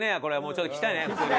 ちょっと聴きたいね普通に。